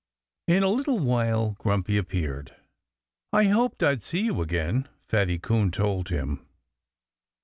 In a little while Grumpy appeared. "I hoped I'd see you again," Fatty Coon told him.